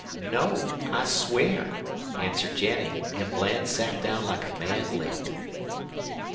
"'No. I swear,' answered Jennie; an' Bland sat down like a man licked.